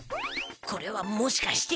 これはもしかして。